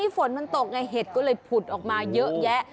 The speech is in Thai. ฝนมันตกไงเห็ดก็เลยผุดออกมาเยอะแยะ